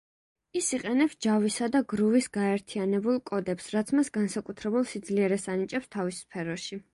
ის იყენებს ჯავისა და გრუვის გაერთიანებულ კოდებს, რაც მას განსაკუთრებულ სიძლიერეს ანიჭებს თავის სფეროში.